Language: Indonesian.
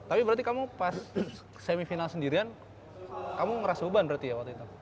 tapi berarti kamu pas semifinal sendirian kamu ngerasa beban berarti ya waktu itu